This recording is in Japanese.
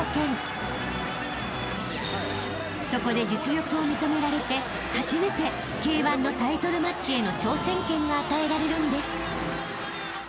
［そこで実力を認められて初めてＫ−１のタイトルマッチへの挑戦権が与えられるんです］